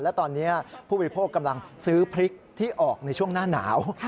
และตอนนี้ผู้บริโภคกำลังซื้อพริกที่ออกในช่วงหน้าหนาว